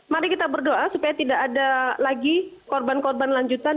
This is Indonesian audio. dan kita berdoa supaya tidak ada lagi korban korban lanjutan